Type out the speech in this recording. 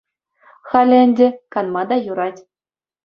Халӗ ӗнтӗ канма та юрать.